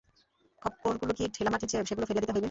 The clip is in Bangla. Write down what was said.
খাবারগুলো কি ঢেলামাটি যে, সেগুলো ফেলিয়া দিতে হইবে?